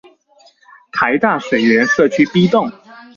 臺大水源舍區 B 棟